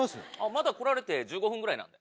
まだ来られて１５分ぐらいなんで。